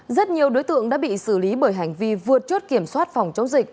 rất nhiều đối tượng đã bị xử lý bởi hành vi vượt chốt kiểm soát phòng chống dịch